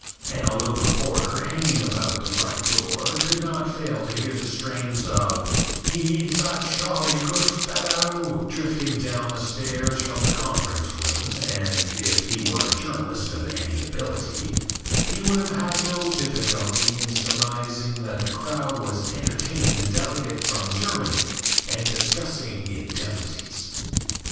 An alert reporter hanging about the front door could not fail to hear the strains of "He's a jolly good fellow" drifting down the stairs from the conference room and, if he were a journalist of any ability, he would have no difficulty in surmising that the crowd was entertaining the delegate from Germany and discussing indemnities.